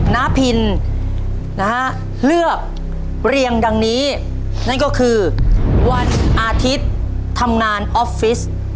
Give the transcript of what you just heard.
น้าพินนะฮะเลือกเรียงดังนี้นั่นก็คือวันอาทิตย์ทำงานออฟฟิศ